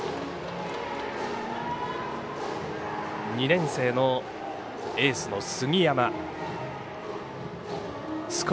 ２年生のエースの杉山。